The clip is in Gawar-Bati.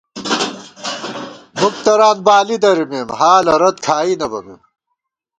مُک تران بالی درِمېم ، حالہ رت کھائی نہ بَمېم